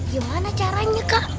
gimana caranya kak